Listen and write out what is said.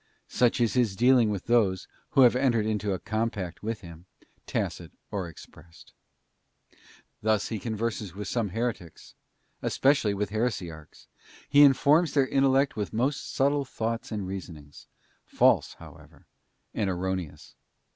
Such is his dealing with those, who have entered into a compact with him, tacit or expressed. Thus he converses with some heretics, especially with heresiarchs; he informs their intel lect with most subtle thoughts and reasonings, false, however, and erroneous.